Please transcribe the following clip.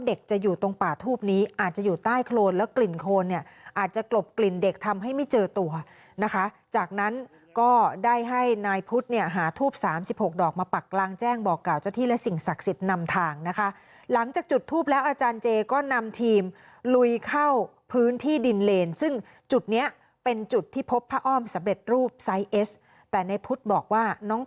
เด็กจะอยู่ตรงป่าทูปนี้อาจจะอยู่ใต้โครนแล้วกลิ่นโครนเนี่ยอาจจะกลบกลิ่นเด็กทำให้ไม่เจอตัวนะคะจากนั้นก็ได้ให้นายพุทธเนี่ยหาทูบสามสิบหกดอกมาปักกลางแจ้งบอกกล่าวเจ้าที่และสิ่งศักดิ์สิทธิ์นำทางนะคะหลังจากจุดทูปแล้วอาจารย์เจก็นำทีมลุยเข้าพื้นที่ดินเลนซึ่งจุดเนี้ยเป็นจุดที่พบผ้าอ้อมสำเร็จรูปไซสเอสแต่ในพุทธบอกว่าน้อง